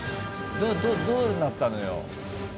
どどどうなったのよ？